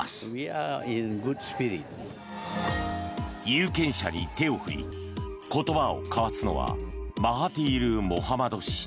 有権者に手を振り言葉を交わすのはマハティール・モハマド氏